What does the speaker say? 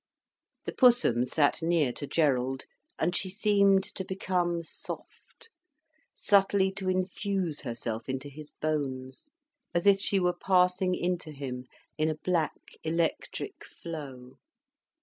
The Pussum sat near to Gerald, and she seemed to become soft, subtly to infuse herself into his bones, as if she were passing into him in a black, electric flow.